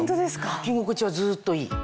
はき心地はずっといい。